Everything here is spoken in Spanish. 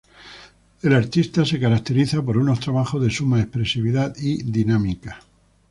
El artista se caracteriza por unos trabajos de suma expresividad y dinámica.